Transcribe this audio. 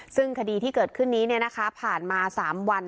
ซึ่งคดีที่เกิดขึ้นนี้เนี่ยนะคะผ่านมาสามวัน